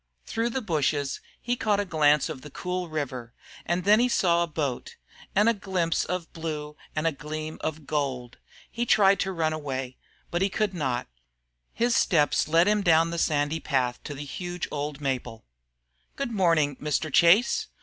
Through the bushes he caught a glance of the cool river, and then he saw a boat and a glimpse of blue and a gleam of gold. He tried to run away, but could not. His steps led him down the sandy path to the huge old maple. "Good morning, Mr. Chase.